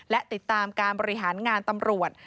และติดตามการบริหารงานตำรวจ